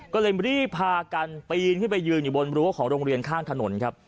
ก็เลยรีบพากันปีนขึ้นไปยืนอยู่บนรั้วของโรงเรียนข้างถนนครับ